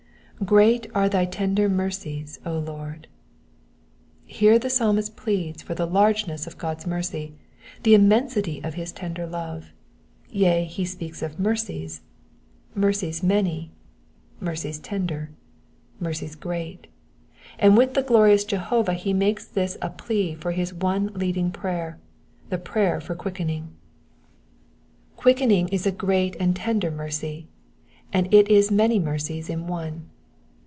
^'Ch'eat are thy tender mercies, Lord." Here the Psalmist pleads the largeness of God's mercy, the immensity of his tender love ; yea, he speaks of mercies — mercies many, Digitized by VjOOQIC 324 EXPOSITIONS OF THE PSALMS. mercies tender, mercies CTeat ; and with the glorious Jehovah he makes this a plea for his one leading prayer, the prayer for quickening. Quickening is a great and tender mercy ; and it is many mercies in one.